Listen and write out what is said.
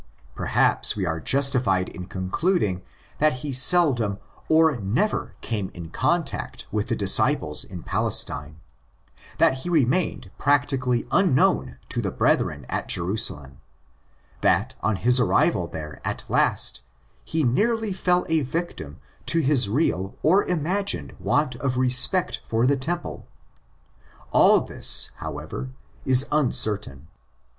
Perhaps we are justified in concluding that he seldom or never came in contact with the disciples in Palestine; that he remained practically unknown to the brethren at Jerusalem; that, on his arrival there at last, he nearly fell a victim to his real or imagined want of respect for the Temple. All this, however, is uncertain.